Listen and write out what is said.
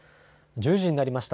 １０時になりました。